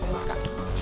cewek sama pemaka